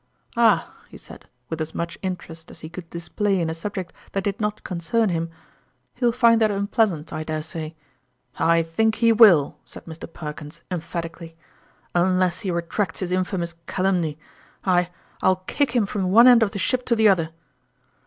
" Ah !" he said, with as much interest as he could display in a subject that did not con cern him, " he'll find that unpleasant, I dare say." " I think he will !" said Mr. Perkins, em phatically. " Unless he retracts his infamous calumny. I I'll kick him from one end of the ship to the other